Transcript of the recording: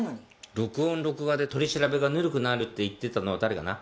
録音・録画で取り調べがぬるくなるって言ってたのは誰かな？